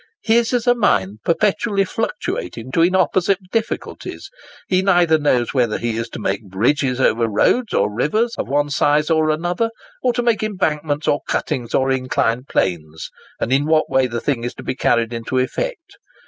His is a mind perpetually fluctuating between opposite difficulties: he neither knows whether he is to make bridges over roads or rivers, of one size or of another; or to make embankments, or cuttings, or inclined planes, or in what way the thing is to be carried into effect.